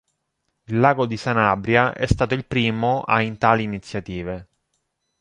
Il Lago di Sanabria è stato il primo a in tali iniziative.